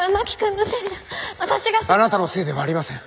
あなたのせいでもありません。